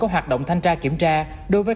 các hoạt động thanh tra kiểm tra đối với